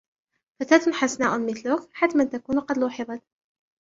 فتاة حسناء مثلك حتما تكون قد لوحظت.